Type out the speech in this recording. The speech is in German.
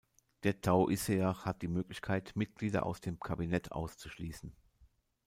Der Taoiseach hat die Möglichkeit, Mitglieder aus dem Kabinett auszuschließen.